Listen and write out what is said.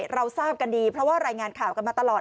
เราทราบกันดีเพราะว่ารายงานข่าวกันมาตลอด